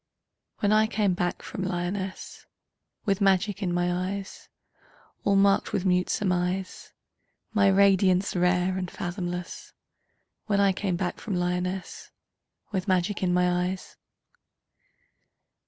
When I came back from Lyonnesse With magic in my eyes, All marked with mute surmise My radiance rare and fathomless, When I came back from Lyonnesse With magic in my eyes!